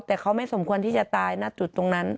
แต่เขาไม่สมควรที่จะตายณจุดตรงนั้น